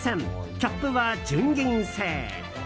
キャップは純銀製。